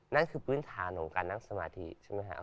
นั่นคือพื้นฐานของการนั่งสมาธิใช่ไหมครับ